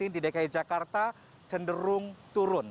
di dki jakarta cenderung turun